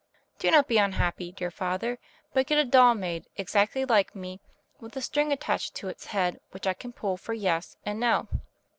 "Do not be unhappy, dear father, but get a doll made, exactly like me, with a string attached to its head, which I can pull for 'Yes' and 'No.